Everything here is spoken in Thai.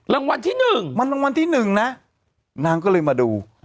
รางวัลที่๑มันรางวัลที่๑นะนางก็เลยมาดู